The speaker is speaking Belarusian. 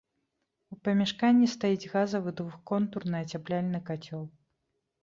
У памяшканні стаіць газавы двухконтурны ацяпляльны кацёл.